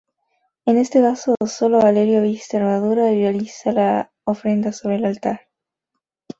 En este caso, sólo Galerio viste armadura y realiza la ofrenda sobre el altar.